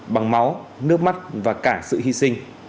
bằng máu nước mắt và cả sự hy sinh